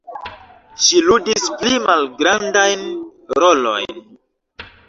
Ŝi ludis pli malgrandajn rolojn.